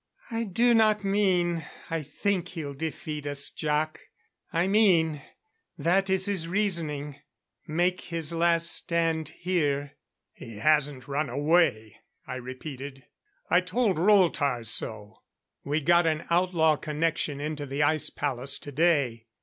"I do not mean I think he'll defeat us, Jac. I mean, that is his reasoning make his last stand here " "He hasn't run away," I repeated. "I told Rolltar so. We got an outlaw connection into the Ice Palace today.